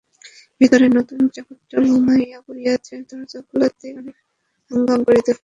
ভিতরে নূতন চাকরটা ঘুমাইয়া পড়িয়াছে–দরজা খোলাইতে অনেক হাঙ্গাম করিতে হইল।